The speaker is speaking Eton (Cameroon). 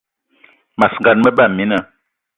Mas gan, me ba mina.